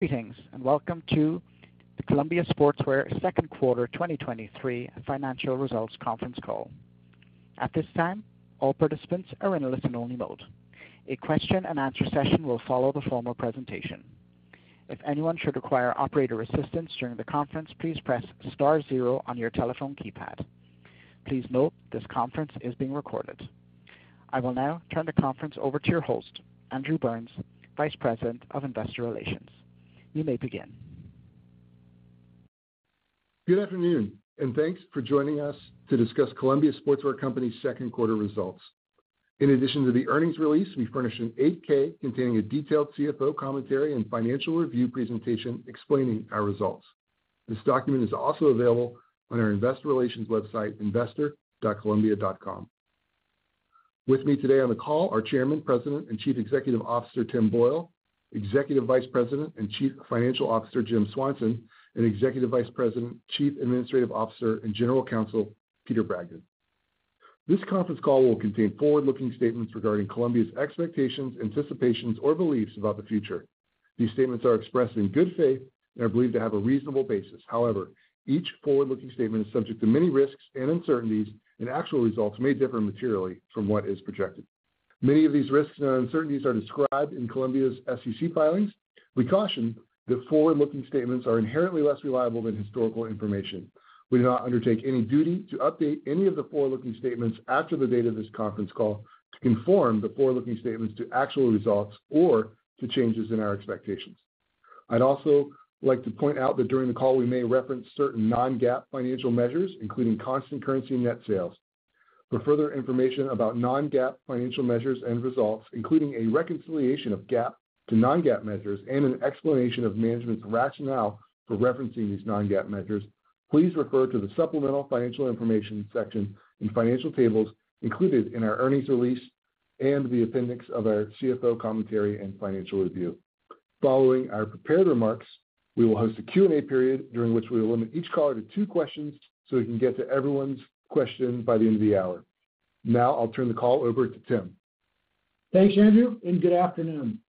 Greetings, and welcome to the Columbia Sportswear second quarter 2023 financial results conference call. At this time, all participants are in a listen-only mode. A question-and-answer session will follow the formal presentation. If anyone should require operator assistance during the conference, please press star zero on your telephone keypad. Please note, this conference is being recorded. I will now turn the conference over to your host, Andrew Burns, Vice President of Investor Relations. You may begin. Good afternoon, and thanks for joining us to discuss Columbia Sportswear Company's Q2 results. In addition to the earnings release, we furnished an 8-K containing a detailed CFO commentary and financial review presentation explaining our results. This document is also available on our investor relations website, investor.columbia.com. With me today on the call are Chairman, President, and Chief Executive Officer, Timothy Boyle, Executive Vice President and Chief Financial Officer, Jim Swanson, and Executive Vice President, Chief Administrative Officer, and General Counsel, Peter Bragdon. This conference call will contain forward-looking statements regarding Columbia's expectations, anticipations, or beliefs about the future. These statements are expressed in good faith and are believed to have a reasonable basis. However, each forward-looking statement is subject to many risks and uncertainties, and actual results may differ materially from what is projected. Many of these risks and uncertainties are described in Columbia's SEC filings. We caution that forward-looking statements are inherently less reliable than historical information. We do not undertake any duty to update any of the forward-looking statements after the date of this conference call to conform the forward-looking statements to actual results or to changes in our expectations. I'd also like to point out that during the call, we may reference certain non-GAAP financial measures, including constant currency net sales. For further information about non-GAAP financial measures and results, including a reconciliation of GAAP to non-GAAP measures and an explanation of management's rationale for referencing these non-GAAP measures, please refer to the supplemental financial information section and financial tables included in our earnings release and the appendix of our CFO commentary and financial review. Following our prepared remarks, we will host a Q&A period during which we will limit each caller to two questions, so we can get to everyone's question by the end of the hour. Now I'll turn the call over to Tim. Thanks, Andrew. Good afternoon.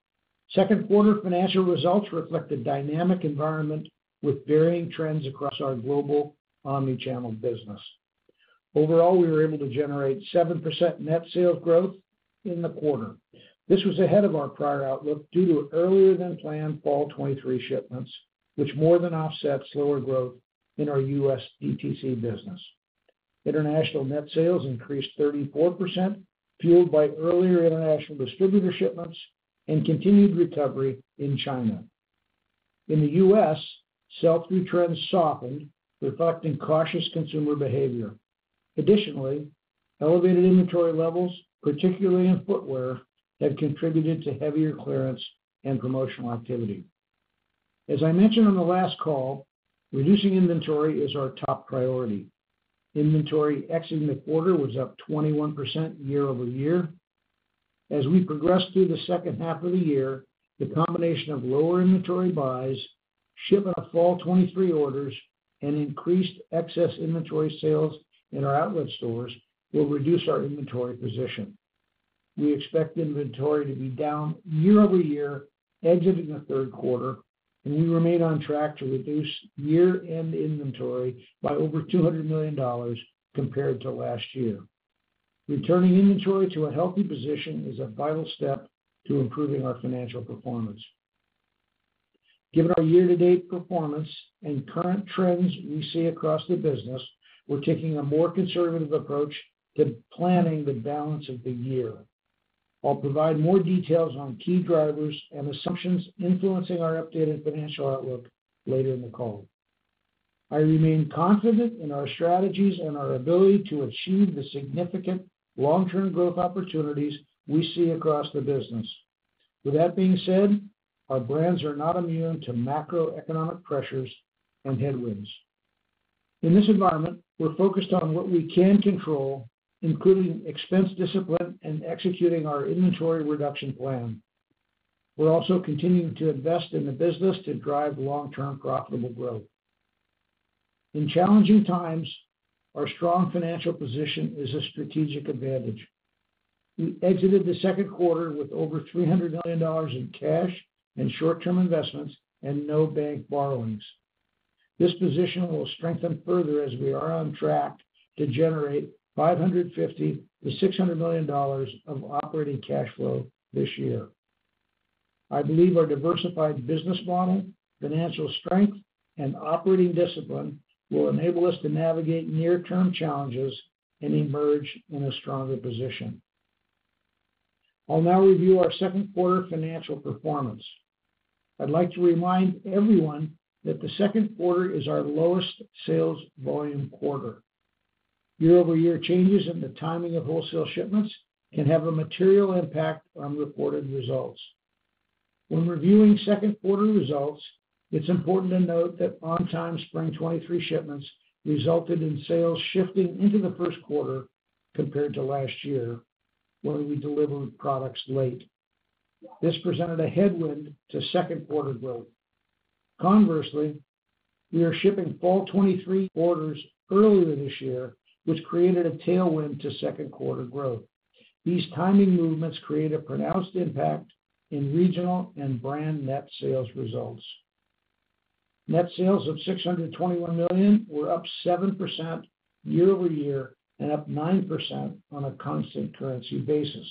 Second quarter financial results reflect a dynamic environment with varying trends across our global omni-channel business. Overall, we were able to generate 7% net sales growth in the quarter. This was ahead of our prior outlook due to earlier than planned fall 23 shipments, which more than offsets lower growth in our US DTC business. International net sales increased 34%, fueled by earlier international distributor shipments and continued recovery in China. In the US, sell-through trends softened, reflecting cautious consumer behavior. Additionally, elevated inventory levels, particularly in footwear, have contributed to heavier clearance and promotional activity. As I mentioned on the last call, reducing inventory is our top priority. Inventory exiting the quarter was up 21% year-over-year. As we progress through the second half of the year, the combination of lower inventory buys, shipping out fall 2023 orders, and increased excess inventory sales in our outlet stores will reduce our inventory position. We expect inventory to be down year-over-year, exiting the third quarter, and we remain on track to reduce year-end inventory by over $200 million compared to last year. Returning inventory to a healthy position is a vital step to improving our financial performance. Given our year-to-date performance and current trends we see across the business, we're taking a more conservative approach to planning the balance of the year. I'll provide more details on key drivers and assumptions influencing our updated financial outlook later in the call. I remain confident in our strategies and our ability to achieve the significant long-term growth opportunities we see across the business. With that being said, our brands are not immune to macroeconomic pressures and headwinds. In this environment, we're focused on what we can control, including expense discipline and executing our inventory reduction plan. We're also continuing to invest in the business to drive long-term profitable growth. In challenging times, our strong financial position is a strategic advantage. We exited the second quarter with over $300 million in cash and short-term investments and no bank borrowings. This position will strengthen further as we are on track to generate $550 million to $600 million of operating cash flow this year. I believe our diversified business model, financial strength, and operating discipline will enable us to navigate near-term challenges and emerge in a stronger position. I'll now review our second quarter financial performance. I'd like to remind everyone that the Q2 is our lowest sales volume quarter. year-over-year changes in the timing of wholesale shipments can have a material impact on reported results. When reviewing Q2 results, it's important to note that on time spring 2023 shipments resulted in sales shifting into the Q1 compared to last year, where we delivered products late. This presented a headwind to Q2 growth. Conversely. We are shipping fall 2023 orders earlier this year, which created a tailwind to Q2 growth. These timing movements create a pronounced impact in regional and brand net sales results. Net sales of $621 million were up 7% year-over-year and up 9% on a constant currency basis.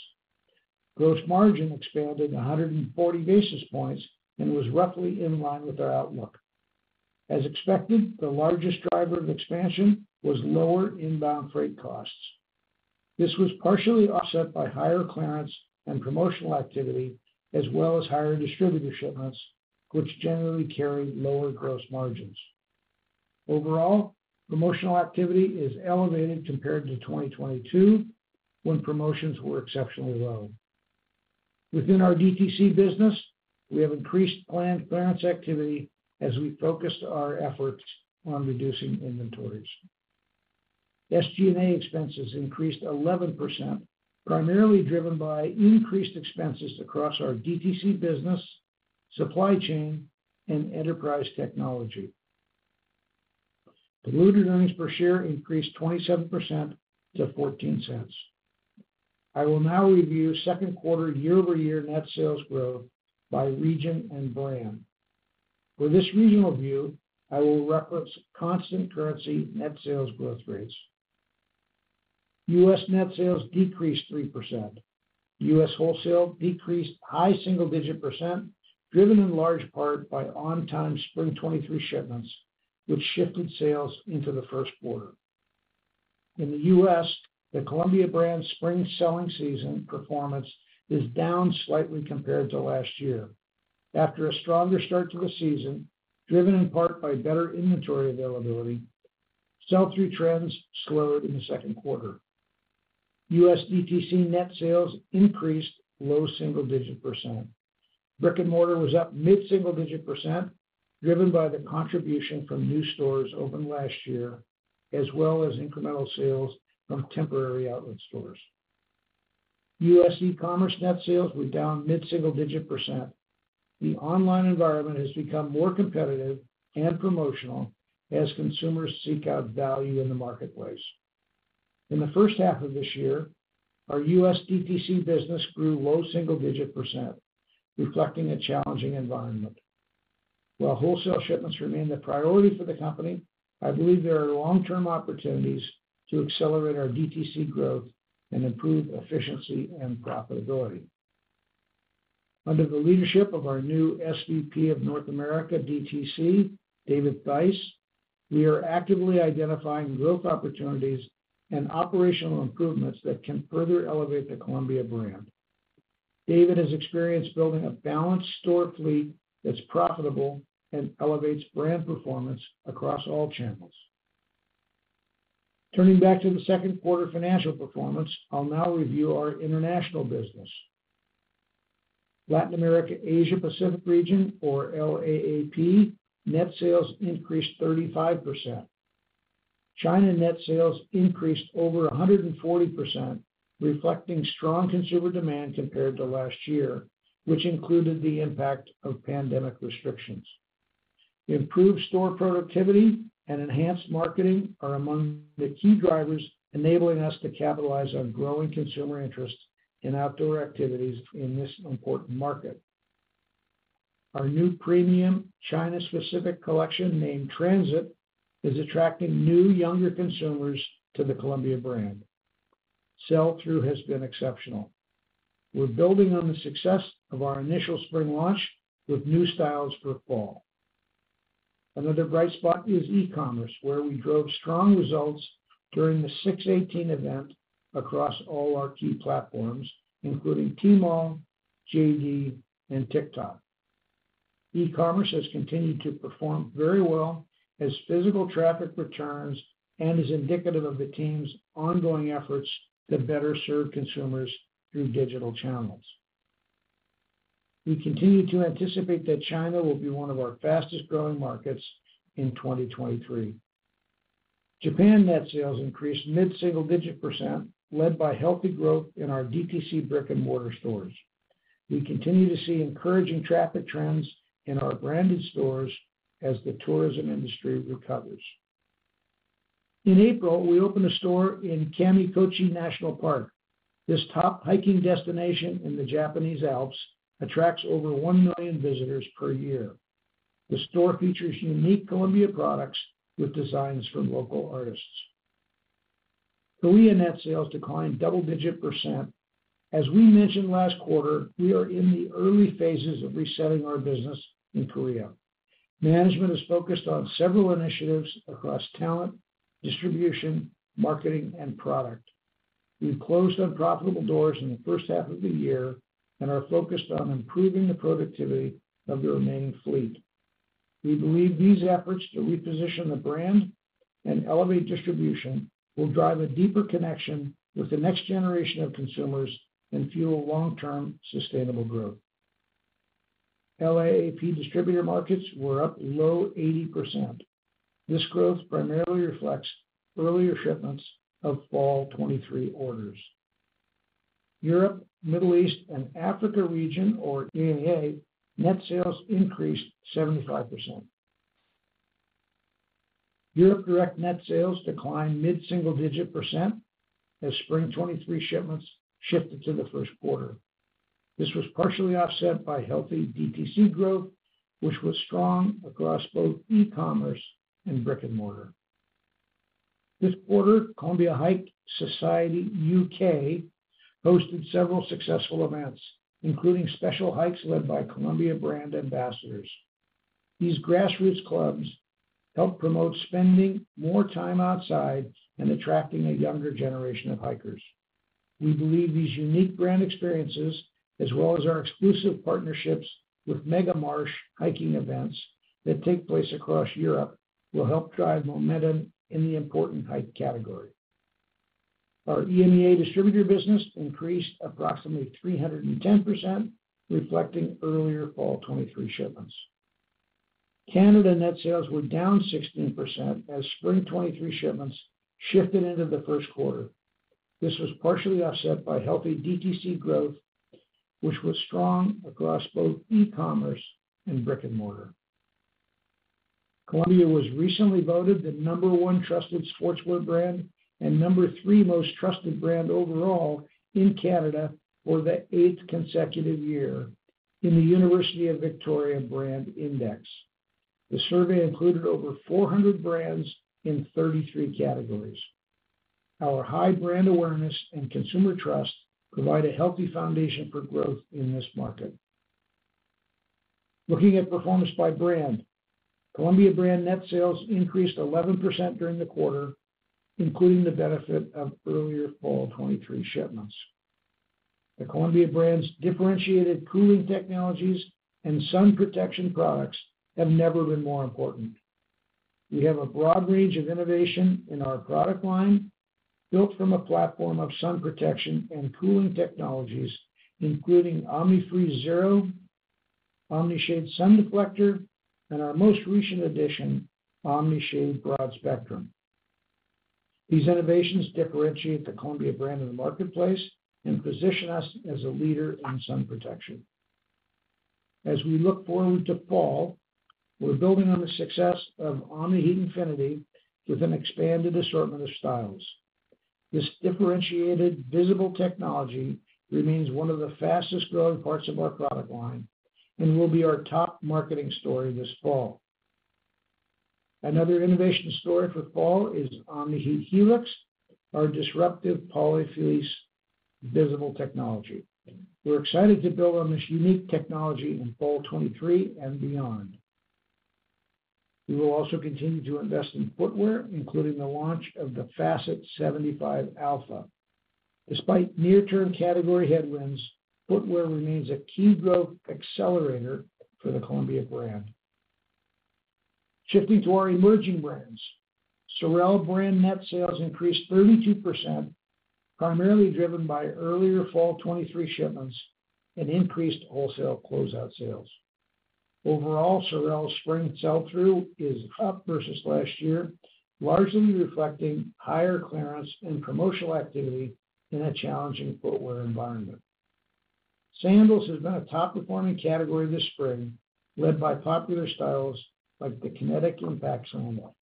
Gross margin expanded 140 basis points and was roughly in line with our outlook. As expected, the largest driver of expansion was lower inbound freight costs. This was partially offset by higher clearance and promotional activity, as well as higher distributor shipments, which generally carry lower gross margins. Overall, promotional activity is elevated compared to 2022, when promotions were exceptionally low. Within our DTC business, we have increased plan- clearance activity as we focused our efforts on reducing inventories. SG&A expenses increased 11%, primarily driven by increased expenses across our DTC business, supply chain, and enterprise technology. Diluted earnings per share increased 27% to $0.14. I will now review second quarter year-over-year net sales growth by region and brand. For this regional view, I will reference constant currency net sales growth rates. U.S. net sales decreased 3%. U.S. wholesale decreased high single digit percent, driven in large part by on-time spring 23 shipments, which shifted sales into the first quarter. In the U.S., the Columbia brand's spring selling season performance is down slightly compared to last year. After a stronger start to the season, driven in part by better inventory availability, sell-through trends slowed in the second quarter. U.S. DTC net sales increased low single digit percent. Brick-and-mortar was up mid single digit percent, driven by the contribution from new stores opened last year, as well as incremental sales from temporary outlet stores. U.S. e-commerce net sales were down mid single digit percent. The online environment has become more competitive and promotional as consumers seek out value in the marketplace. In the first half of this year, our U.S. DTC business grew low single digit percent, reflecting a challenging environment. While wholesale shipments remain the priority for the company, I believe there are long-term opportunities to accelerate our DTC growth and improve efficiency and profitability. Under the leadership of our new SVP of North America, DTC, David Tiss, we are actively identifying growth opportunities and operational improvements that can further elevate the Columbia brand. David has experience building a balanced store fleet that's profitable and elevates brand performance across all channels. Turning back to the second quarter financial performance, I'll now review our international business. Latin America, Asia Pacific region, or LAAP, net sales increased 35%. China net sales increased over 140%, reflecting strong consumer demand compared to last year, which included the impact of pandemic restrictions. Improved store productivity and enhanced marketing are among the key drivers, enabling us to capitalize on growing consumer interest in outdoor activities in this important market. Our new premium China-specific collection, named Transit, is attracting new, younger consumers to the Columbia brand. Sell-through has been exceptional. We're building on the success of our initial spring launch with new styles for fall. Another bright spot is e-commerce, where we drove strong results during the 618 event across all our key platforms, including Tmall, JD, and TikTok. E-commerce has continued to perform very well as physical traffic returns and is indicative of the team's ongoing efforts to better serve consumers through digital channels. We continue to anticipate that China will be one of our fastest-growing markets in 2023. Japan net sales increased mid-single digit percent, led by healthy growth in our DTC brick-and-mortar stores. We continue to see encouraging traffic trends in our branded stores as the tourism industry recovers. In April, we opened a store in Kamikochi National Park. This top hiking destination in the Japanese Alps attracts over one million visitors per year. The store features unique Columbia products with designs from local artists. Korea net sales declined double-digit percent. As we mentioned last quarter, we are in the early phases of resetting our business in Korea. Management is focused on several initiatives across talent, distribution, marketing, and product. We've closed unprofitable doors in the first half of the year and are focused on improving the productivity of the remaining fleet. We believe these efforts to reposition the brand and elevate distribution will drive a deeper connection with the next generation of consumers and fuel long-term sustainable growth. LAAP distributor markets were up low 80%. This growth primarily reflects earlier shipments of fall 2023 orders. Europe, Middle East, and Africa region or EMEA, net sales increased 75%. Europe direct net sales declined mid-single digit percent as spring 2023 shipments shifted to the first quarter. This was partially offset by healthy DTC growth, which was strong across both e-commerce and brick-and-mortar. This quarter, Columbia Hike Society U.K., hosted several successful events, including special hikes led by Columbia brand ambassadors. These grassroots clubs help promote spending more time outside and attracting a younger generation of hikers. We believe these unique brand experiences, as well as our exclusive partnerships with Megamarsch hiking events that take place across Europe, will help drive momentum in the important hike category. Our EMEA distributor business increased approximately 310%, reflecting earlier fall 2023 shipments. Canada net sales were down 16% as spring 2023 shipments shifted into the first quarter. This was partially offset by healthy DTC growth, which was strong across both e-commerce and brick-and-mortar. Columbia was recently voted the number one trusted sportswear brand and number three most trusted brand overall in Canada for the eighth consecutive year in the Gustavson Brand Trust Index. The survey included over 400 brands in 33 categories. Our high brand awareness and consumer trust provide a healthy foundation for growth in this market. Looking at performance by brand, Columbia brand net sales increased 11% during the quarter, including the benefit of earlier fall 2023 shipments. The Columbia brand's differentiated cooling technologies and sun protection products have never been more important. We have a broad range of innovation in our product line, built from a platform of sun protection and cooling technologies, including Omni-Freeze Zero, Omni-Shade Sun Deflector, and our most recent addition, Omni-Shade Broad Spectrum. These innovations differentiate the Columbia brand in the marketplace and position us as a leader in sun protection. As we look forward to fall, we're building on the success of Omni-Heat Infinity with an expanded assortment of styles. This differentiated, visible technology remains one of the fastest-growing parts of our product line and will be our top marketing story this fall. Another innovation story for fall is Omni-Heat Helix, our disruptive polyfleece visible technology. We're excited to build on this unique technology in fall 2023 and beyond. We will also continue to invest in footwear, including the launch of the Facet 75 Alpha. Despite near-term category headwinds, footwear remains a key growth accelerator for the Columbia brand. Shifting to our emerging brands, Sorel brand net sales increased 32%, primarily driven by earlier fall 2023 shipments and increased wholesale closeout sales. Overall, Sorel spring sell-through is up versus last year, largely reflecting higher clearance and promotional activity in a challenging footwear environment. Sandals has been a top-performing category this spring, led by popular styles like the Kinetic Impact sandal.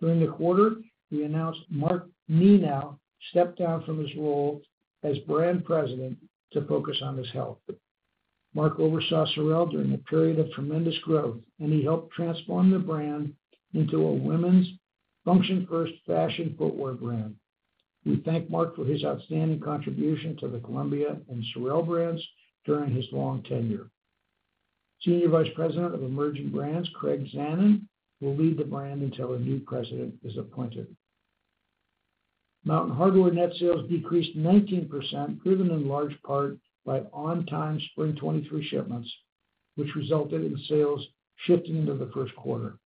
During the quarter, we announced Mark Nenow stepped down from his role as brand president to focus on his health. Mark oversaw Sorel during a period of tremendous growth, and he helped transform the brand into a women's function-first fashion footwear brand. We thank Mark for his outstanding contribution to the Columbia and Sorel brands during his long tenure. Senior Vice President of Emerging Brands, Craig Zanon, will lead the brand until a new president is appointed. Mountain Hardwear net sales decreased 19%, driven in large part by on-time spring 2023 shipments, which resulted in sales shifting into the first quarter.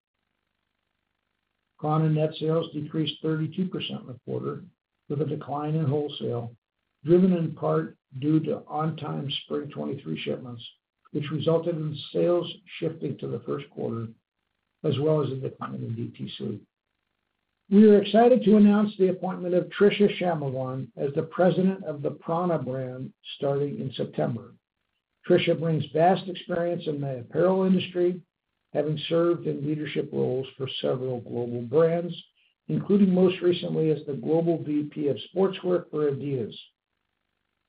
prAna net sales decreased 32% in the quarter, with a decline in wholesale, driven in part due to on-time spring 2023 shipments, which resulted in sales shifting to the Q1, as well as a decline in DTC. We are excited to announce the appointment of Tricia Shumavon as the President of the prAna brand starting in September. Tricia brings vast experience in the apparel industry, having served in leadership roles for several global brands, including most recently as the Global VP of Sportswear for Adidas.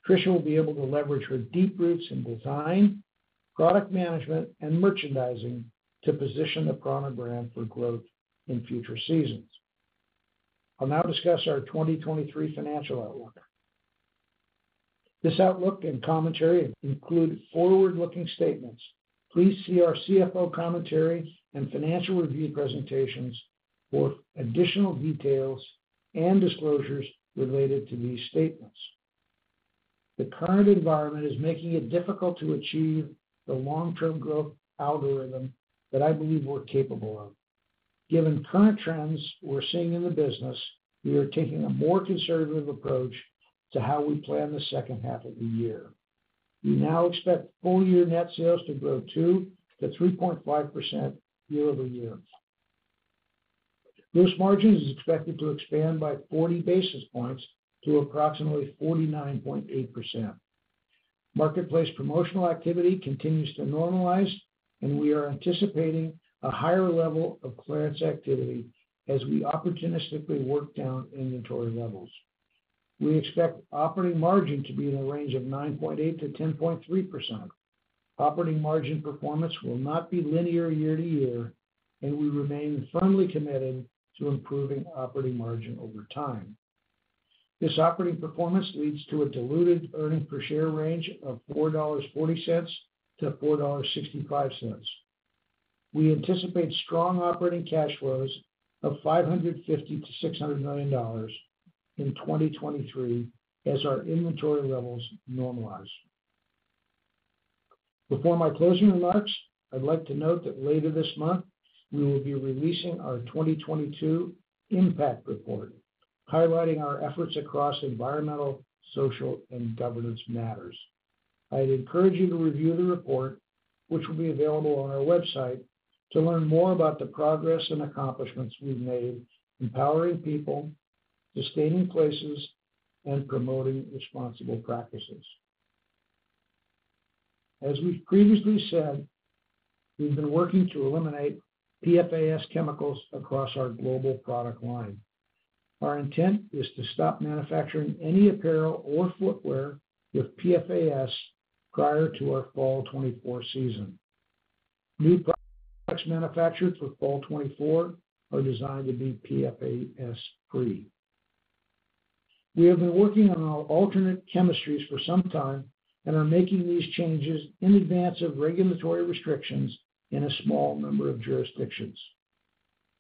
Tricia will be able to leverage her deep roots in design, product management, and merchandising to position the prAna brand for growth in future seasons. I'll now discuss our 2023 financial outlook. This outlook and commentary include forward-looking statements. Please see our CFO commentary and financial review presentations for additional details and disclosures related to these statements. The current environment is making it difficult to achieve the long-term growth algorithm that I believe we're capable of. Given current trends we're seeing in the business, we are taking a more conservative approach to how we plan the second half of the year. We now expect full-year net sales to grow 2% to 3.5% year-over-year. Gross margin is expected to expand by 40 basis points to approximately 49.8%. Marketplace promotional activity continues to normalize. We are anticipating a higher level of clearance activity as we opportunistically work down inventory levels. We expect operating margin to be in the range of 9.8%-10.3%. Operating margin performance will not be linear year-to-year. We remain firmly committed to improving operating margin over time. This operating performance leads to a diluted earnings per share range of $4.40-$4.65. We anticipate strong operating cash flows of $550 million to $600 million in 2023 as our inventory levels normalize. Before my closing remarks, I'd like to note that later this month, we will be releasing our 2022 impact report, highlighting our efforts across environmental, social, and governance matters. I'd encourage you to review the report, which will be available on our website, to learn more about the progress and accomplishments we've made, empowering people, sustaining places, and promoting responsible practices. As we've previously said, we've been working to eliminate PFAS chemicals across our global product line. Our intent is to stop manufacturing any apparel or footwear with PFAS prior to our fall 2024 season. New products manufactured with fall 2024 are designed to be PFAS free. We have been working on our alternate chemistries for some time and are making these changes in advance of regulatory restrictions in a small number of jurisdictions.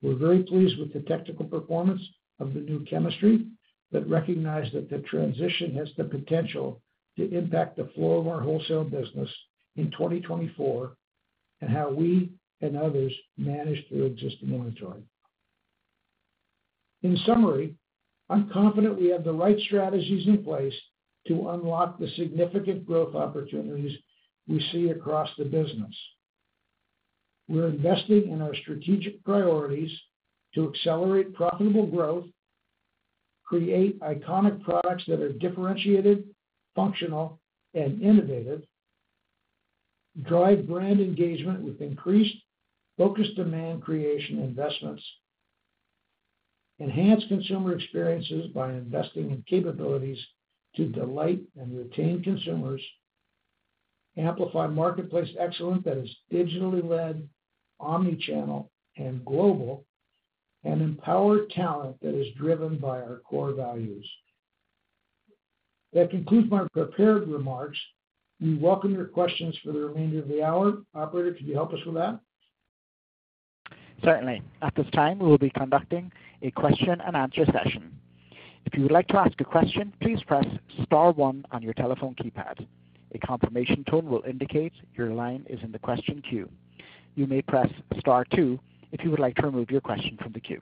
We're very pleased with the technical performance of the new chemistry, but recognize that the transition has the potential to impact the flow of our wholesale business in 2024 and how we and others manage their existing inventory. In summary, I'm confident we have the right strategies in place to unlock the significant growth opportunities we see across the business. We're investing in our strategic priorities to accelerate profitable growth, create iconic products that are differentiated, functional, and innovative, drive brand engagement with increased focus demand creation investments, enhance consumer experiences by investing in capabilities to delight and retain consumers, amplify marketplace excellence that is digitally led, omni-channel and global, and empower talent that is driven by our core values. That concludes my prepared remarks. We welcome your questions for the remainder of the hour. Operator, could you help us with that? Certainly. At this time, we will be conducting a question and answer session. If you would like to ask a question, please press star one on your telephone keypad. A confirmation tone will indicate your line is in the question queue. You may press star two if you would like to remove your question from the queue.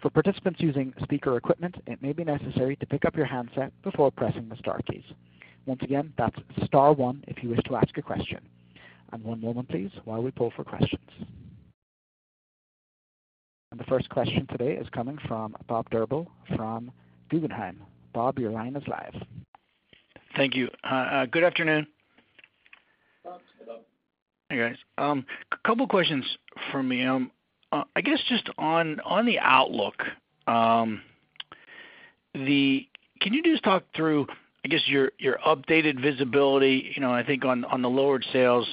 For participants using speaker equipment, it may be necessary to pick up your handset before pressing the star keys. Once again, that's star one if you wish to ask a question. One moment, please, while we pull for questions. The first question today is coming from Bob Drbul from Guggenheim Securities. Bob, your line is live. Thank you. Good afternoon. Bob, hello. Hey, guys. A couple questions for me. I guess just on, on the outlook, can you just talk through, I guess, your, your updated visibility, you know, I think on, on the lowered sales,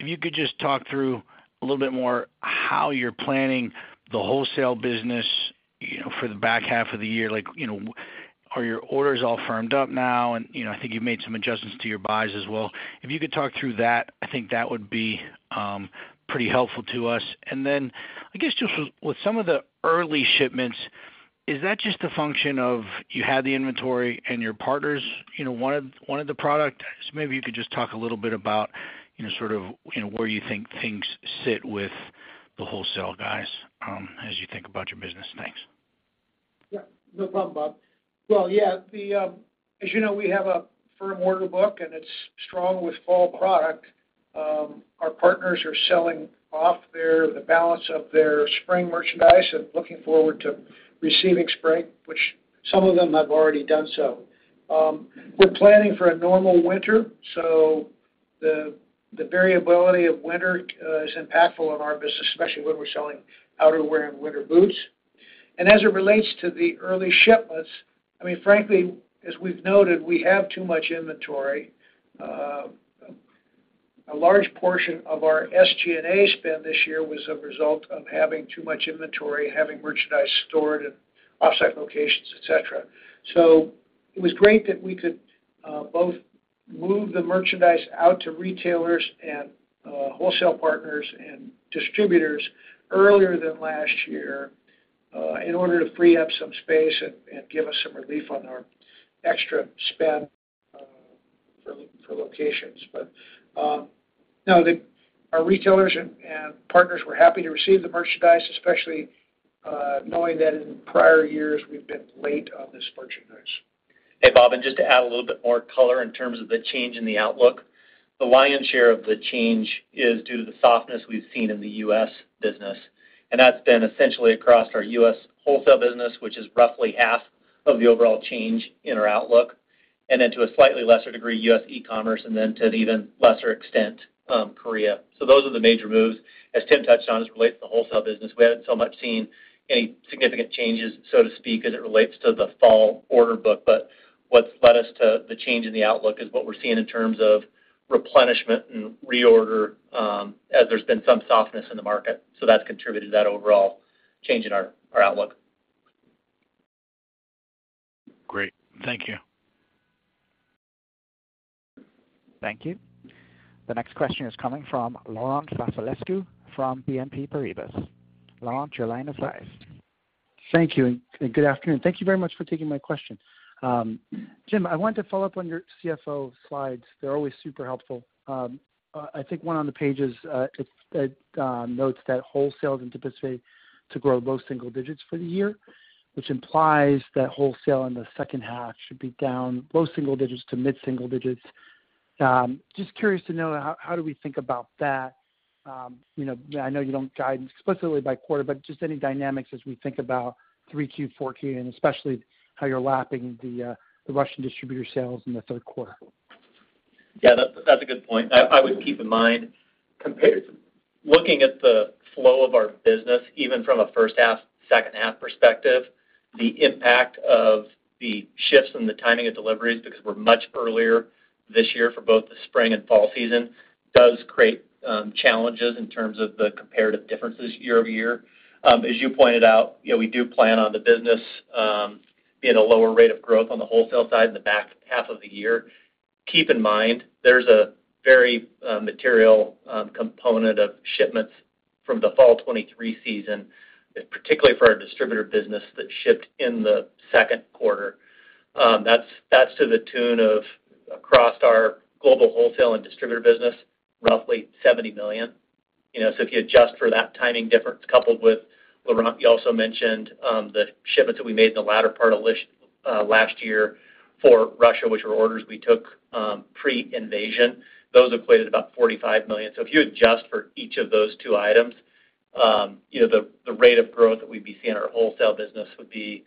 if you could just talk through a little bit more how you're planning the wholesale business, you know, for the back half of the year, like, you know, are your orders all firmed up now? You know, I think you've made some adjustments to your buys as well. If you could talk through that, I think that would be pretty helpful to us. I guess, just with some of the early shipments, is that just a function of you had the inventory and your partners, you know, wanted, wanted the product? Maybe you could just talk a little bit about, you know, sort of, you know, where you think things sit with the wholesale guys, as you think about your business. Thanks. Yeah, no problem, Bob. Well, yeah, the, as you know, we have a firm order book, and it's strong with fall product. Our partners are selling off the balance of their spring merchandise and looking forward to receiving spring, which some of them have already done so. We're planning for a normal winter, so the variability of winter, is impactful on our business, especially when we're selling outerwear and winter boots. As it relates to the early shipments, I mean, frankly, as we've noted, we have too much inventory. A large portion of our SG&A spend this year was a result of having too much inventory and having merchandise stored at off-site locations, et cetera. It was great that we could both move the merchandise out to retailers and wholesale partners and distributors earlier than last year, in order to free up some space and give us some relief on our extra spend, for locations. Now, our retailers and partners were happy to receive the merchandise, especially, knowing that in prior years we've been late on this merchandise. ... Hey, Bob. Just to add a little bit more color in terms of the change in the outlook, the lion's share of the change is due to the softness we've seen in the U.S. business, and that's been essentially across our U.S. wholesale business, which is roughly half of the overall change in our outlook, and then to a slightly lesser degree, U.S. e-commerce, and then to an even lesser extent, Korea. Those are the major moves. As Tim touched on, as it relates to the wholesale business, we hadn't so much seen any significant changes, so to speak, as it relates to the fall order book, but what's led us to the change in the outlook is what we're seeing in terms of replenishment and reorder as there's been some softness in the market. That's contributed to that overall change in our, our outlook. Great. Thank you. Thank you. The next question is coming from Laurent Vasilescu, from BNP Paribas. Laurent, your line is raised. Thank you, and good afternoon. Thank you very much for taking my question. Jim, I wanted to follow up on your CFO slides. They're always super helpful. I think one on the pages, it notes that wholesale is anticipated to grow low single digits for the year, which implies that wholesale in the second half should be down low single digits to mid single digits. Just curious to know, how, how do we think about that? You know, I know you don't guide explicitly by quarter, but just any dynamics as we think about Q3, Q4, and especially how you're lapping the Russian distributor sales in the third quarter. Yeah, that's, that's a good point. I, I would keep in mind, compared to looking at the flow of our business, even from a first half, second half perspective, the impact of the shifts in the timing of deliveries, because we're much earlier this year for both the spring and fall season, does create challenges in terms of the comparative differences year-over-year. As you pointed out, you know, we do plan on the business being a lower rate of growth on the wholesale side in the back half of the year. Keep in mind, there's a very material component of shipments from the fall 2023 season, particularly for our distributor business that shipped in the second quarter. That's, that's to the tune of across our global wholesale and distributor business, roughly $70 million. You know, so if you adjust for that timing difference, coupled with Laurent, you also mentioned, the shipments that we made in the latter part of last year for Russia, which were orders we took, pre-invasion. Those equated about $45 million. If you adjust for each of those two items, you know, the, the rate of growth that we'd be seeing in our wholesale business would be,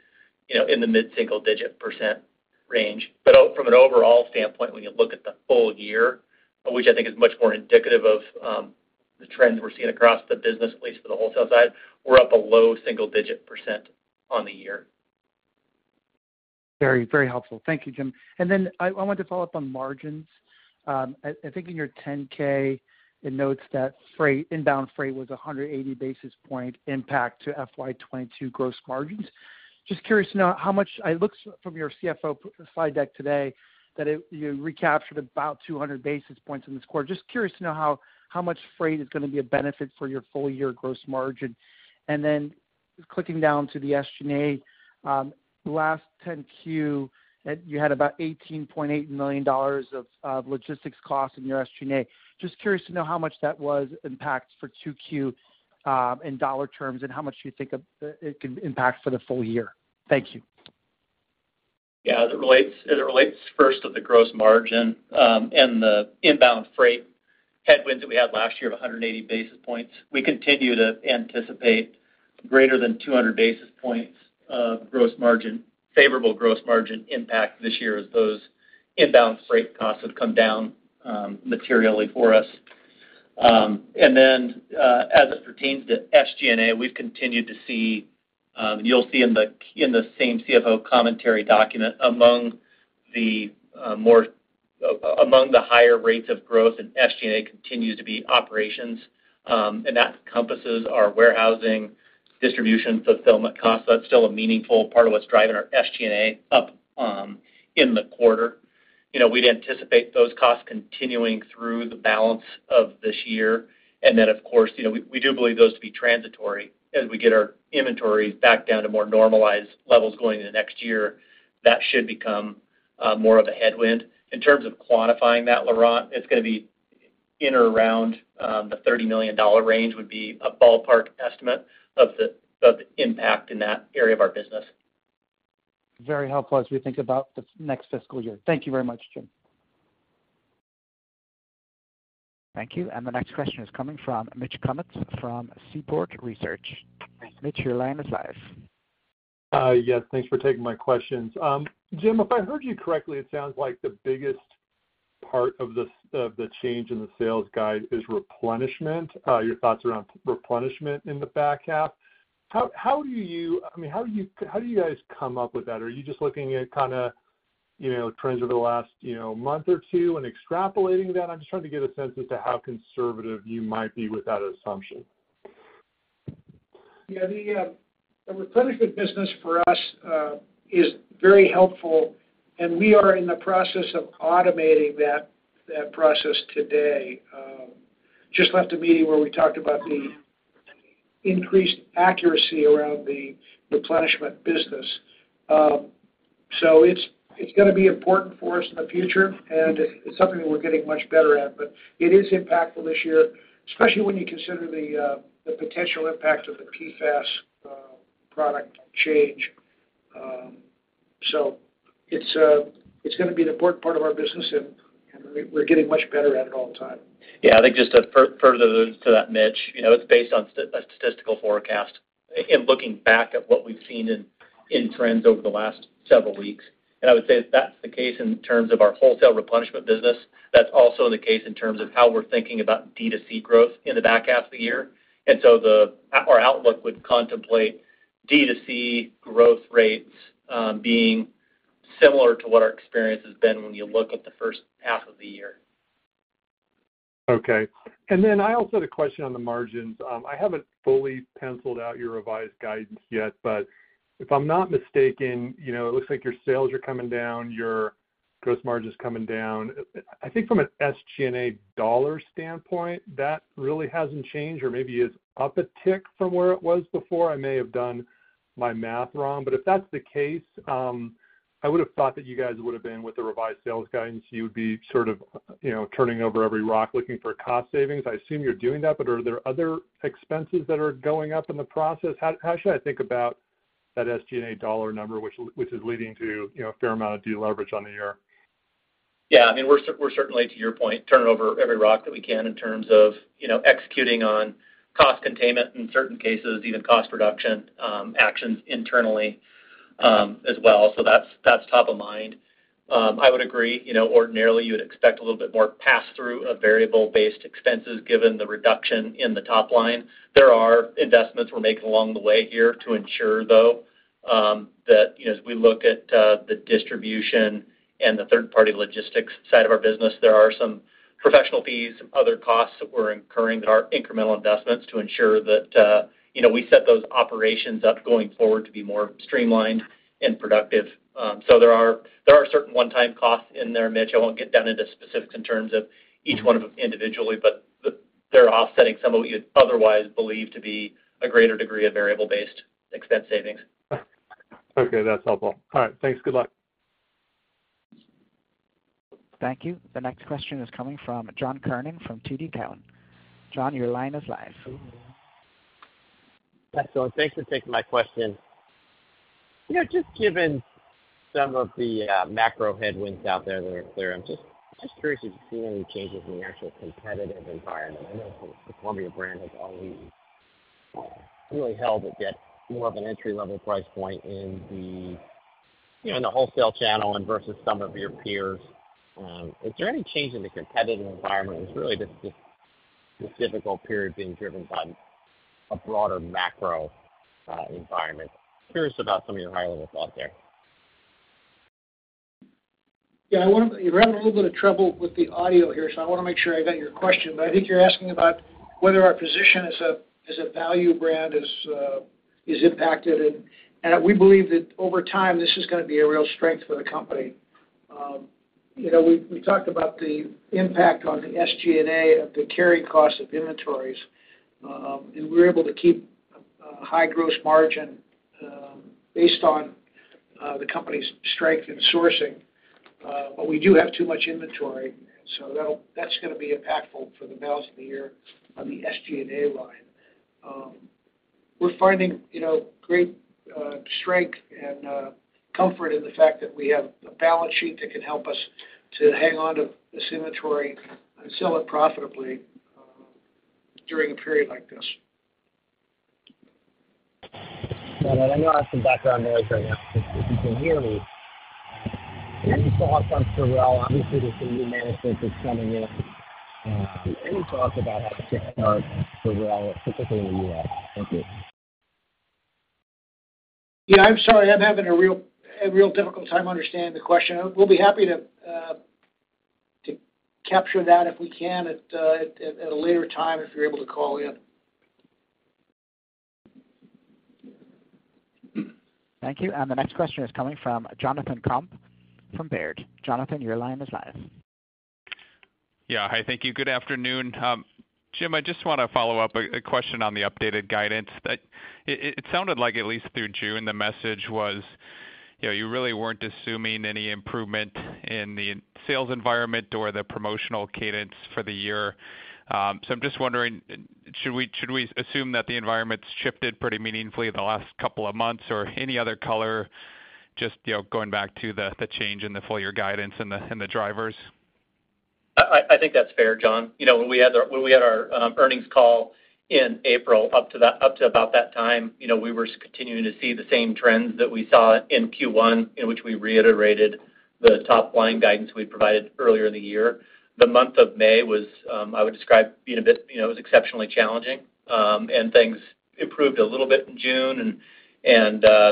you know, in the mid-single digit percent range. From an overall standpoint, when you look at the full year, which I think is much more indicative of, the trends we're seeing across the business, at least for the wholesale side, we're up a low single digit percent on the year. Very, very helpful. Thank you, Jim. I, I want to follow up on margins. I, I think in your Form 10-K, it notes that freight, inbound freight was 180 basis point impact to FY 2022 gross margins. I looked from your CFO slide deck today that it, you recaptured about 200 basis points in the score. Just curious to know how much freight is gonna be a benefit for your full year gross margin. Clicking down to the SG&A, last 10-Q, you had about $18.8 million of, of logistics costs in your SG&A. Just curious to know how much that was impact for Q2, in dollar terms, and how much do you think of it can impact for the full year? Thank you. Yeah, as it relates, as it relates, first to the gross margin, and the inbound freight headwinds that we had last year of 180 basis points, we continue to anticipate greater than 200 basis points of gross margin, favorable gross margin impact this year, as those inbound freight costs have come down, materially for us. And then, as it pertains to SG&A, we've continued to see, you'll see in the, in the same CFO commentary document, among the higher rates of growth in SG&A continues to be operations, and that encompasses our warehousing, distribution, fulfillment costs. That's still a meaningful part of what's driving our SG&A up, in the quarter. You know, we'd anticipate those costs continuing through the balance of this year. Then, of course, you know, we, we do believe those to be transitory. As we get our inventories back down to more normalized levels going into next year, that should become more of a headwind. In terms of quantifying that, Laurent, it's gonna be in or around the $30 million range, would be a ballpark estimate of the, of the impact in that area of our business. Very helpful as we think about the next fiscal year. Thank you very much, Jim. Thank you. The next question is coming from Mitch Kummetz from Seaport Research Partners. Mitch, your line is live. Yes, thanks for taking my questions. Jim, if I heard you correctly, it sounds like the biggest part of the change in the sales guide is replenishment. Your thoughts around replenishment in the back half. I mean, how do you, how do you guys come up with that? Are you just looking at kind of, you know, trends over the last, you know, month or two and extrapolating that? I'm just trying to get a sense as to how conservative you might be with that assumption. Yeah, the replenishment business for us is very helpful. We are in the process of automating that, that process today. Just left a meeting where we talked about the increased accuracy around the replenishment business. It's, it's gonna be important for us in the future, and it's something that we're getting much better at. It is impactful this year. Especially when you consider the potential impact of the PFAS product change. It's, it's gonna be an important part of our business, and, and we, we're getting much better at it all the time. Yeah, I think just to further to that, Mitch, you know, it's based on a statistical forecast in looking back at what we've seen in, in trends over the last several weeks. I would say if that's the case in terms of our wholesale replenishment business, that's also the case in terms of how we're thinking about D2C growth in the back half of the year. The, our outlook would contemplate D2C growth rates being similar to what our experience has been when you look at the first half of the year. Okay. I also had a question on the margins. I haven't fully penciled out your revised guidance yet, but if I'm not mistaken, you know, it looks like your sales are coming down, your gross margin is coming down. I, I think from an SG&A dollar standpoint, that really hasn't changed or maybe is up a tick from where it was before. I may have done my math wrong. If that's the case, I would've thought that you guys would've been with the revised sales guidance, you would be sort of, you know, turning over every rock looking for cost savings. I assume you're doing that, but are there other expenses that are going up in the process? How, how should I think about that SG&A dollar number, which, which is leading to, you know, a fair amount of deleverage on the year? Yeah, I mean, we're we're certainly, to your point, turning over every rock that we can in terms of, you know, executing on cost containment, in certain cases, even cost reduction, actions internally, as well. That's, that's top of mind. I would agree, you know, ordinarily, you would expect a little bit more pass-through of variable-based expenses given the reduction in the top line. There are investments we're making along the way here to ensure, though, that, you know, as we look at, the distribution and the third-party logistics side of our business, there are some professional fees, some other costs that we're incurring that are incremental investments to ensure that, you know, we set those operations up going forward to be more streamlined and productive. There are, there are certain one-time costs in there, Mitch. I won't get down into specifics in terms of each one of them individually, but they're offsetting some of what you'd otherwise believe to be a greater degree of variable-based expense savings. Okay, that's helpful. All right, thanks. Good luck. Thank you. The next question is coming from John Kernan from TD Cowen. John, your line is live. Hi, folks, thanks for taking my question. You know, just given some of the macro headwinds out there that are clear, I'm just, just curious if you've seen any changes in the actual competitive environment. I know the Columbia brand has always really held, but yet more of an entry-level price point in the, you know, in the wholesale channel and versus some of your peers. Is there any change in the competitive environment, or is this really just this, this difficult period being driven by a broader macro environment? Curious about some of your high-level thought there. Yeah, I wonder. We're having a little bit of trouble with the audio here, so I wanna make sure I got your question, but I think you're asking about whether our position as a, as a value brand is impacted. We believe that over time, this is gonna be a real strength for the company. You know, we, we talked about the impact on the SG&A of the carry cost of inventories, and we're able to keep a, a high gross margin, based on the company's strength in sourcing. We do have too much inventory, so that's gonna be impactful for the balance of the year on the SG&A line. We're finding, you know, great strength and comfort in the fact that we have a balance sheet that can help us to hang on to this inventory and sell it profitably during a period like this. I know I have some background noise right now, but if you can hear me, any thoughts on Sorel? Obviously, there's a new management that's coming in. Any thoughts about how to turn around Sorel, specifically in the U.S.? Thank you. Yeah, I'm sorry. I'm having a real, a real difficult time understanding the question. We'll be happy to to capture that if we can at at a later time, if you're able to call in. Thank you. The next question is coming from Jonathan Komp from Baird. Jonathan, your line is live. Yeah. Hi, thank you. Good afternoon. Jim, I just wanna follow up a, a question on the updated guidance that it, it, it sounded like at least through June, the message was, you know, you really weren't assuming any improvement in the sales environment or the promotional cadence for the year. I'm just wondering, should we, should we assume that the environment's shifted pretty meaningfully in the last couple of months, or any other color, just, you know, going back to the, the change in the full year guidance and the, and the drivers? I think that's fair, John. You know, when we had our earnings call in April, up to about that time, you know, we were continuing to see the same trends that we saw in Q1, in which we reiterated the top-line guidance we provided earlier in the year. The month of May was, I would describe, being a bit, you know, it was exceptionally challenging. Things improved a little bit in June, and,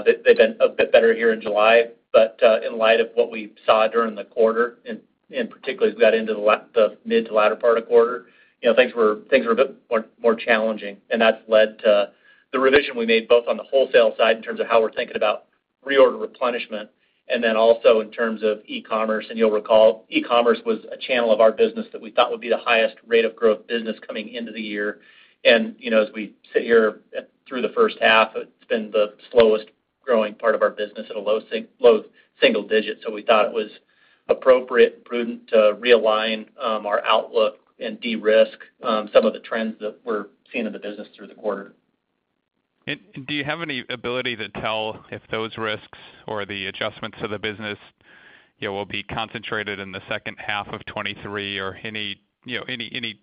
they've been a bit better here in July. in light of what we saw during the quarter, and, and particularly as we got into the mid to latter part of quarter, you know, things were, things were a bit more, more challenging, and that's led to the revision we made, both on the wholesale side in terms of how we're thinking about reorder replenishment, and then also in terms of e-commerce. You'll recall, e-commerce was a channel of our business that we thought would be the highest rate of growth business coming into the year. you know, as we sit here through the first half, it's been the slowest, growing part of our business at a low low single digits, so we thought it was appropriate and prudent to realign our outlook and de-risk some of the trends that we're seeing in the business through the quarter. Do you have any ability to tell if those risks or the adjustments to the business, yeah, will be concentrated in the second half of 2023? Or any, you know, any, any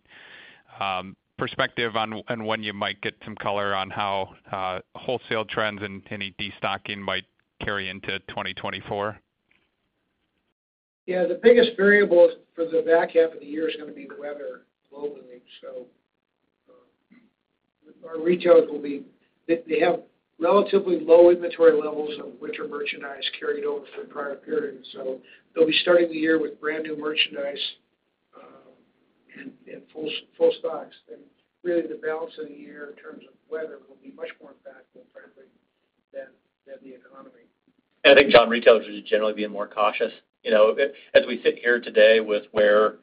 perspective on when you might get some color on how wholesale trends and any destocking might carry into 2024? Yeah, the biggest variable for the back half of the year is gonna be the weather globally. Our retailers, they, they have relatively low inventory levels of winter merchandise carried over from prior periods, so they'll be starting the year with brand-new merchandise, and, and full, full stocks. Really, the balance of the year, in terms of weather, will be much more impactful, frankly, than, than the economy. I think, John, retailers are just generally being more cautious. You know, as we sit here today with where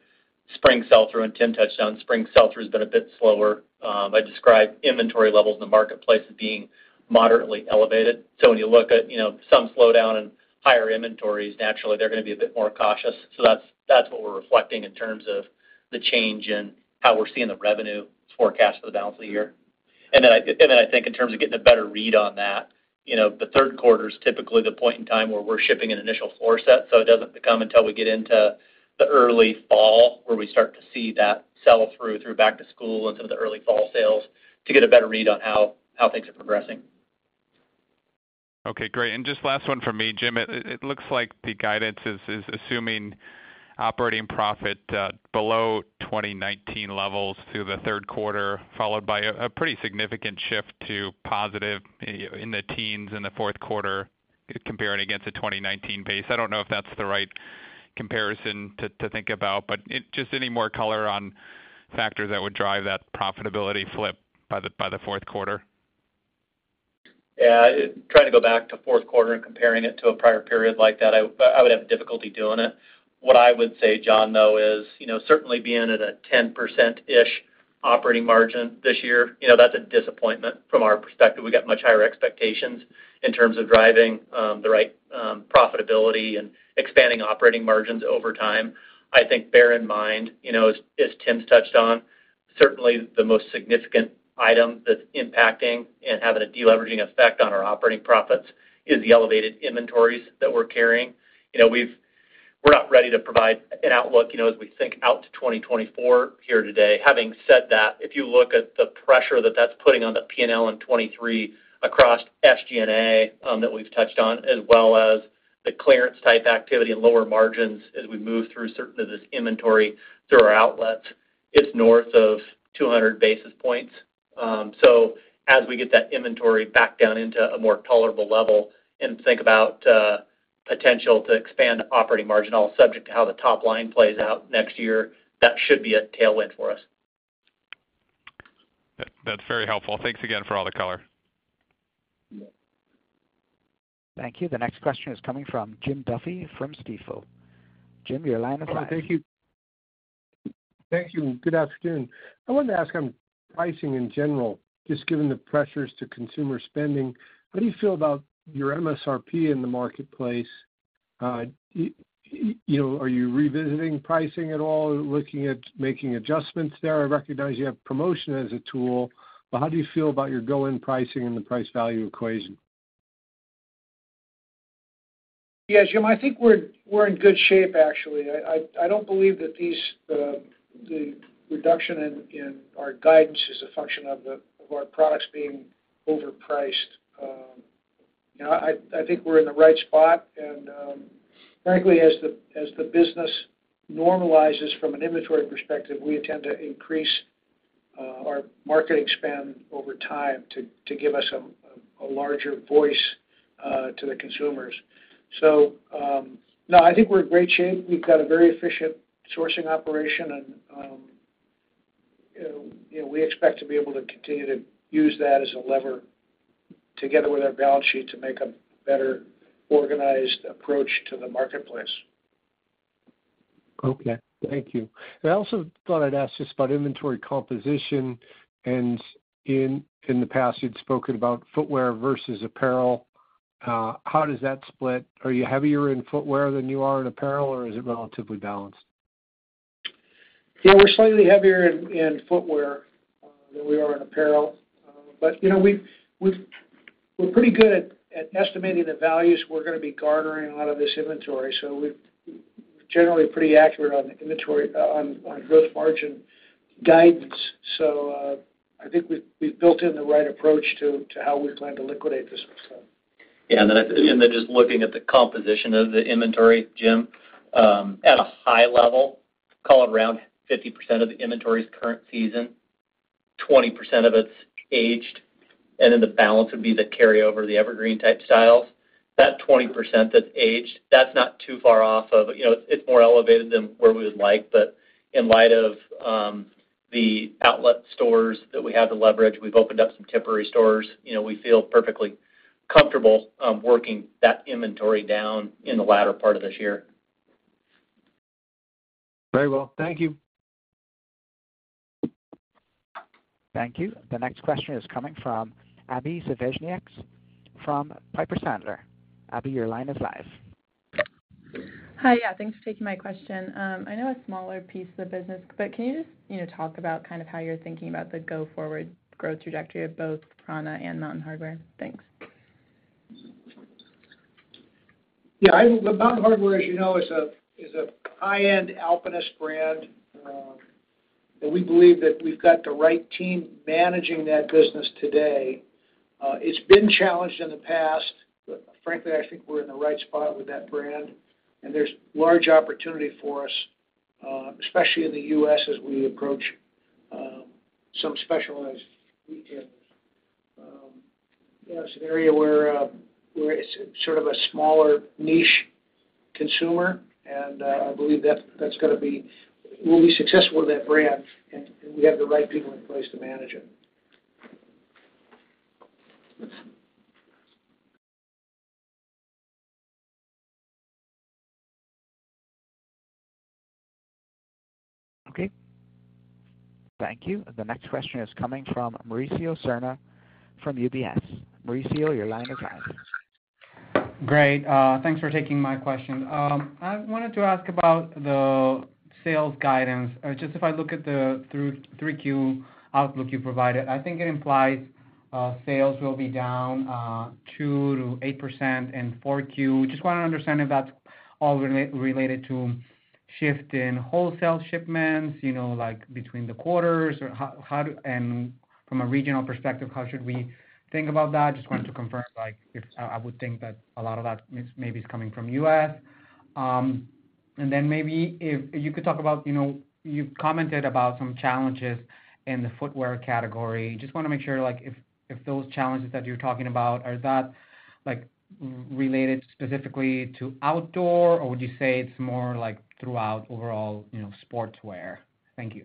spring sell-through, and Tim touched on spring sell-through, has been a bit slower. I described inventory levels in the marketplace as being moderately elevated. When you look at, you know, some slowdown in higher inventories, naturally, they're gonna be a bit more cautious. That's, that's what we're reflecting in terms of the change in how we're seeing the revenue forecast for the balance of the year. Then I, and then I think in terms of getting a better read on that, you know, the third quarter is typically the point in time where we're shipping an initial floor set, so it doesn't become until we get into the early fall, where we start to see that sell-through, through back to school and some of the early fall sales, to get a better read on how things are progressing. Okay, great. Just last one from me, Jim. It looks like the guidance is assuming operating profit below 2019 levels through the third quarter, followed by a pretty significant shift to positive in the teens, in the fourth quarter, comparing against a 2019 base. I don't know if that's the right comparison to think about, but just any more color on factors that would drive that profitability flip by the fourth quarter? Yeah. Trying to go back to fourth quarter and comparing it to a prior period like that, I, I would have difficulty doing it. What I would say, John, though, is, you know, certainly being at a 10%-ish operating margin this year, you know, that's a disappointment from our perspective. We've got much higher expectations in terms of driving the right profitability and expanding operating margins over time. I think bear in mind, you know, as, as Tim's touched on, certainly the most significant item that's impacting and having a deleveraging effect on our operating profits is the elevated inventories that we're carrying. You know, we're not ready to provide an outlook, you know, as we think out to 2024 here today. Having said that, if you look at the pressure that that's putting on the PNL in 2023 across SG&A, that we've touched on, as well as the clearance type activity and lower margins as we move through certain of this inventory through our outlets, it's north of 200 basis points. As we get that inventory back down into a more tolerable level and think about, potential to expand operating margin, all subject to how the top line plays out next year, that should be a tailwind for us. That's very helpful. Thanks again for all the color. Thank you. The next question is coming from Jim Duffy from Stifel Financial Corp., Jim, your line is open. Thank you. Thank you, good afternoon. I wanted to ask on pricing in general, just given the pressures to consumer spending, how do you feel about your MSRP in the marketplace? You know, are you revisiting pricing at all, looking at making adjustments there? I recognize you have promotion as a tool, how do you feel about your go-in pricing and the price-value equation? Yes, Jim, I think we're, we're in good shape, actually. I, I, I don't believe that these, the reduction in, in our guidance is a function of of our products being overpriced. You know, I, I think we're in the right spot, and, frankly, as the, as the business normalizes from an inventory perspective, we intend to increase, our marketing spend over time to, to give us a, a larger voice, to the consumers. No, I think we're in great shape. We've got a very efficient sourcing operation, and, you know, we expect to be able to continue to use that as a lever together with our balance sheet to make a better organized approach to the marketplace. Okay, thank you. I also thought I'd ask just about inventory composition, and in, in the past, you'd spoken about footwear versus apparel. How does that split? Are you heavier in footwear than you are in apparel, or is it relatively balanced? Yeah, we're slightly heavier in, in footwear, than we are in apparel. You know, we're pretty good at estimating the values we're gonna be garnering out of this inventory, so we're generally pretty accurate on the gross margin guidance. I think we've, we've built in the right approach to, to how we plan to liquidate this. Yeah, and then, and then just looking at the composition of the inventory, Jim, at a high level, call it around 50% of the inventory is current season, 20% of it's aged, and then the balance would be the carryover, the evergreen-type styles. That 20% that's aged, that's not too far off of, you know, it's more elevated than where we would like, in light of, the outlet stores that we have to leverage, we've opened up some temporary stores. You know, we feel perfectly comfortable, working that inventory down in the latter part of this year. Very well. Thank you. Thank you. The next question is coming from Abbie Zvejnieks from Piper Sandler. Abby, your line is live. Hi. Yeah, thanks for taking my question. I know a smaller piece of the business, but can you just, you know, talk about kind of how you're thinking about the go-forward growth trajectory of both prAna and Mountain Hardwear? Thanks. Yeah, I-- Mountain Hardwear, as you know, is a, is a high-end alpinist brand, and we believe that we've got the right team managing that business today. It's been challenged in the past, but frankly, I think we're in the right spot with that brand, and there's large opportunity for us, especially in the US, as we approach some specialized retailers. Yeah, it's an area where, where it's sort of a smaller niche consumer, and I believe that's, that's gonna be... We'll be successful with that brand, and, and we have the right people in place to manage it. Okay. Thank you. The next question is coming from Mauricio Serna from UBS. Mauricio, your line is live. Great, thanks for taking my question. I wanted to ask about the sales guidance. Just if I look at the through Q3 outlook you provided, I think it implies sales will be down 2% to 8% in Q4. Just want to understand if that's all related to shift in wholesale shipments, you know, like between the quarters, or how. From a regional perspective, how should we think about that? Just wanted to confirm, like, if I would think that a lot of that maybe is coming from U.S. Then maybe if you could talk about, you know, you've commented about some challenges in the footwear category. Just wanna make sure, like, if those challenges that you're talking about, are that, like, related specifically to outdoor, or would you say it's more like throughout overall, you know, sportswear? Thank you.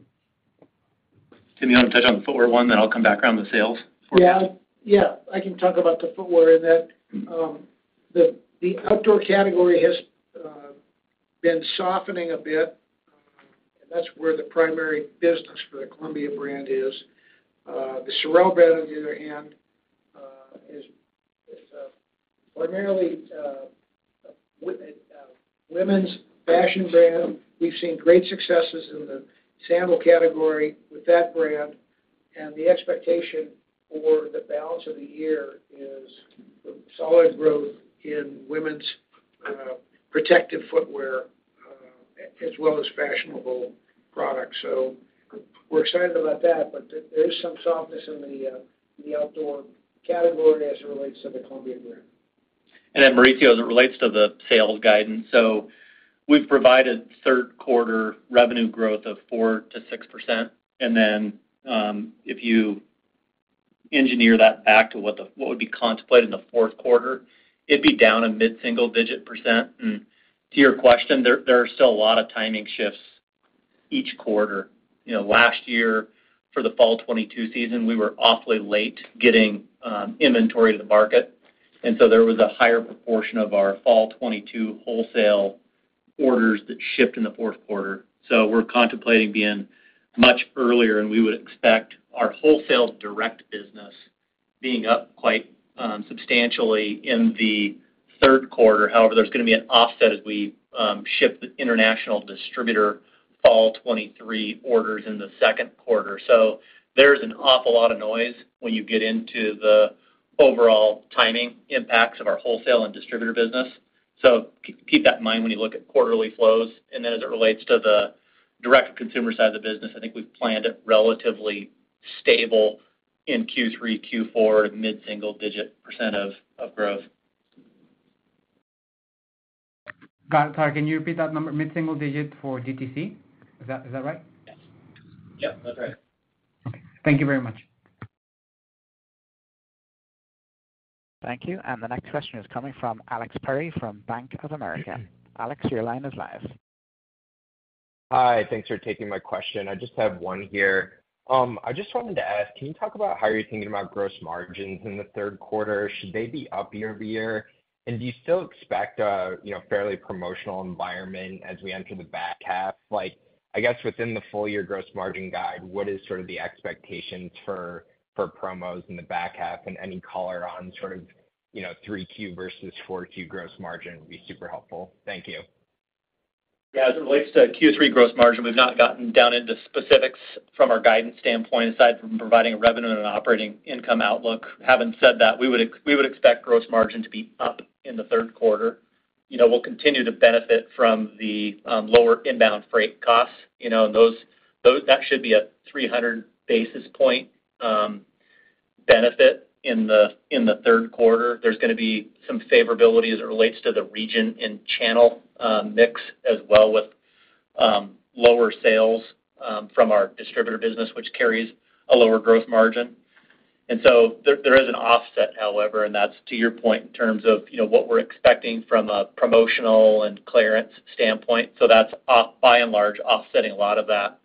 Tim, you want to touch on footwear one, then I'll come back around with sales? Yeah. Yeah, I can talk about the footwear in that. The outdoor category has been softening a bit. That's where the primary business for the Columbia brand is. The Sorel brand, on the other hand, is, is primarily women's fashion brand. We've seen great successes in the sandal category with that brand, and the expectation for the balance of the year is solid growth in women's protective footwear, as well as fashionable products. We're excited about that, but there, there is some softness in the outdoor category as it relates to the Columbia brand. Mauricio, as it relates to the sales guidance, we've provided third quarter revenue growth of 4% to 6%, then, if you engineer that back to what would be contemplated in the fourth quarter, it'd be down a mid-single digit percent. To your question, there, there are still a lot of timing shifts each quarter. You know, last year, for the fall 2022 season, we were awfully late getting inventory to the market, and so there was a higher proportion of our fall 2022 wholesale orders that shipped in the fourth quarter. We're contemplating being much earlier, and we would expect our wholesale direct business being up quite substantially in the third quarter. There's gonna be an offset as we ship the international distributor fall 2023 orders in the second quarter. There is an awful lot of noise when you get into the overall timing impacts of our wholesale and distributor business. Keep that in mind when you look at quarterly flows. Then, as it relates to the direct consumer side of the business, I think we've planned it relatively stable in Q3, Q4, mid-single digit percent of growth. Got it. Sorry, can you repeat that number? Mid-single digit for DTC, is that, is that right? Yes. Yep, that's right. Okay. Thank you very much. Thank you. The next question is coming from Alexander Perry from Bank of America Securities. Alex, your line is live. Hi, thanks for taking my question. I just have one here. I just wanted to ask, can you talk about how you're thinking about gross margins in the third quarter? Should they be up year-over-year? Do you still expect a, you know, fairly promotional environment as we enter the back half? Like, I guess within the full year gross margin guide, what is sort of the expectations for, for promos in the back half, and any color on sort of, you know, Q3 versus Q4 gross margin would be super helpful. Thank you. Yeah, as it relates to Q3 gross margin, we've not gotten down into specifics from our guidance standpoint, aside from providing a revenue and an operating income outlook. Having said that, we would expect gross margin to be up in the third quarter. You know, we'll continue to benefit from the lower inbound freight costs. You know, that should be a 300 basis point benefit in the third quarter. There's gonna be some favorability as it relates to the region and channel mix as well with lower sales from our distributor business, which carries a lower gross margin. So there, there is an offset, however, and that's to your point in terms of, you know, what we're expecting from a promotional and clearance standpoint. That's by and large, offsetting a lot of that,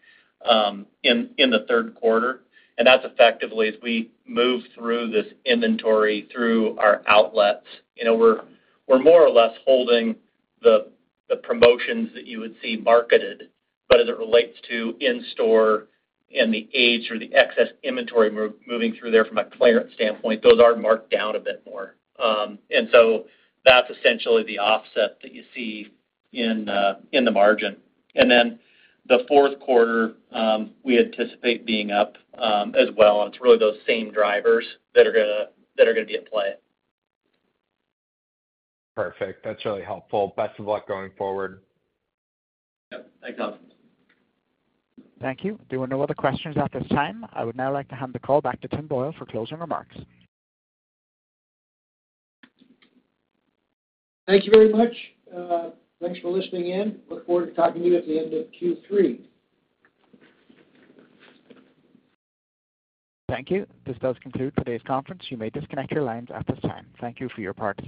in the third quarter, and that's effectively as we move through this inventory through our outlets. You know, we're, we're more or less holding the, the promotions that you would see marketed, but as it relates to in-store and the age or the excess inventory moving through there from a clearance standpoint, those are marked down a bit more. That's essentially the offset that you see in the margin. The fourth quarter, we anticipate being up as well, and it's really those same drivers that are gonna, that are gonna be at play. Perfect. That's really helpful. Best of luck going forward. Yep. Thanks, Alex. Thank you. There are no other questions at this time. I would now like to hand the call back to Timothy Boyle for closing remarks. Thank you very much. Thanks for listening in. Look forward to talking to you at the end of Q3. Thank you. This does conclude today's conference. You may disconnect your lines at this time. Thank you for your participation.